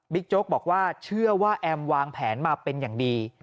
โจ๊กบอกว่าเชื่อว่าแอมวางแผนมาเป็นอย่างดี